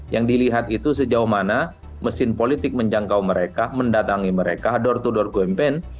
yang dilihat itu sejauh mana mesin politik menjangkau mereka mendatangi mereka door to door campaign